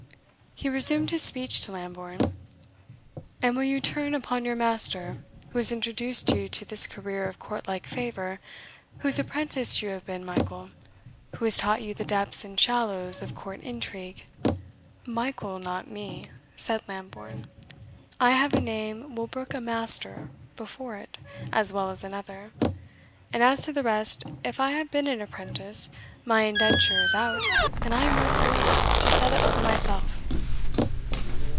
He resumed his speech to Lambourne: "And will you turn upon your master, who has introduced you to this career of court like favour whose apprentice you have been, Michael who has taught you the depths and shallows of court intrigue?" "Michael not me!" said Lambourne; "I have a name will brook a MASTER before it as well as another; and as to the rest, if I have been an apprentice, my indenture is out, and I am resolute to set up for myself."